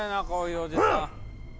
こういうおじさん。